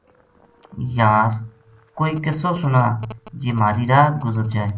یار ! کوئی قصو سنا جی مہاری رات گزر جائے‘‘